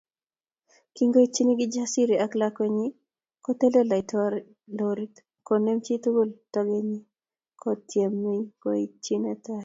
Kingoityi Kijasiri ak lakwenyi, kotelel lorit ak konem chitugul togenyi kotiemei koityi netai